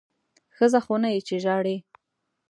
ښځه خو نه یې چې ژاړې!